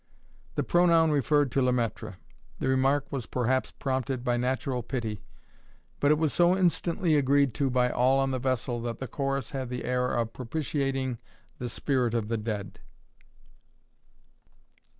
The pronoun referred to Le Maître. The remark was perhaps prompted by natural pity, but it was so instantly agreed to by all on the vessel that the chorus had the air of propitiating the spirit of the dead.